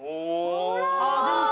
ほら！